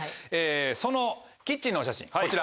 そのキッチンのお写真こちら。